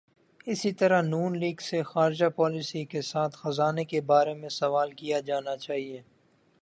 اسی طرح ن لیگ سے خارجہ پالیسی کے ساتھ خزانے کے بارے میں سوال کیا جانا چاہیے۔